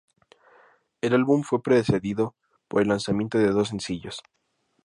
El álbum fue precedido por el lanzamiento de dos sencillos.